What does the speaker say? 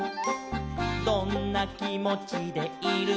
「どんなきもちでいるのかな」